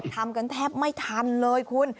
ทำกันแทบไม่ทันเลยคุณ